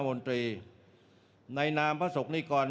เวรบัติสุภิกษ์